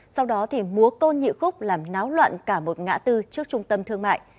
sau đó múa côn nhị khúc làm náo loạn cả một ngã tư trước trung tâm thương mại